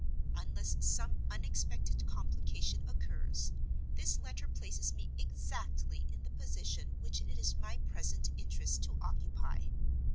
Unless some unexpected complication occurs, this letter places me exactly in the position which it is my present interest to occupy.